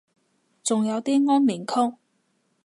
仲有啲安眠曲